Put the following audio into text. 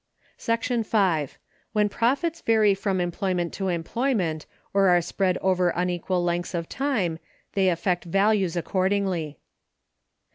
When profits vary from Employment to Employment, or are spread over unequal lengths of Time, they affect Values accordingly.